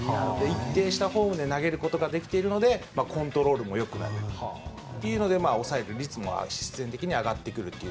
一定したフォームで投げることができているのでコントロールもよく投げるというので抑える率も必然的に上がってくると。